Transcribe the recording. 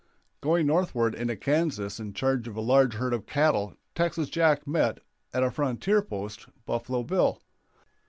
Going northward into Kansas in charge of a large herd of cattle Texas Jack met, at a frontier post, Buffalo Bill.